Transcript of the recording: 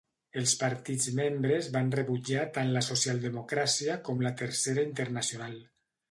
Els partits membres van rebutjar tant la socialdemocràcia com la tercera internacional.